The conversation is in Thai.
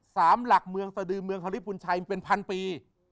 สามหลักเมืองสดืมเมืองธรรมดาภูมิชัยเป็นพันปี